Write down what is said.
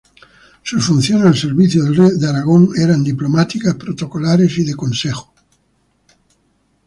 Sus funciones al servicio del rey de Aragón eran diplomáticas, protocolares y de consejo.